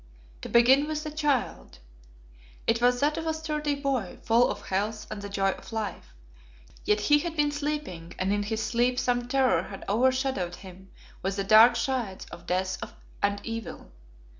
To begin with the child. It was that of a sturdy boy, full of health and the joy of life. Yet he had been sleeping, and in his sleep some terror had over shadowed him with the dark shades of death and evil.